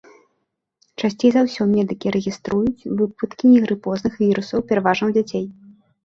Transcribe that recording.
Часцей за ўсё медыкі рэгіструюць выпадкі негрыпозных вірусаў, пераважна ў дзяцей.